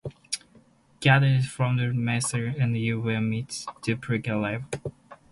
Gaze out from the mesa, and you will meet my duplicitous lover.